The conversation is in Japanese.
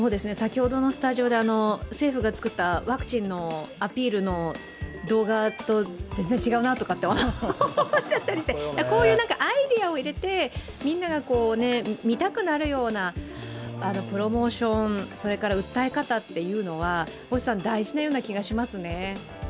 先ほどのスタジオで政府が作ったワクチンのアピール動画と全然違うなとかって思っちゃったりしてこういうアイデアを入れて、みんなが見たくなるようなプロモーションそれから訴え方というのは星さん、大事なような気がしますね。